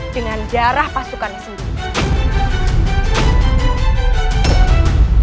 dengan jarah pasukannya sendiri